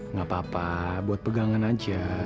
nggak apa apa buat pegangan aja